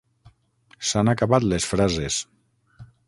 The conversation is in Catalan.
S'han acabat les frases.